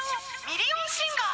ミリオンシンガー』